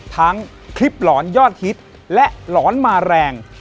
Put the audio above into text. ทั้งคลิปหลอนยอดฮิตและหลอนมาแรง